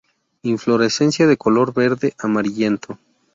Inflorescencia de color verde-amarillento.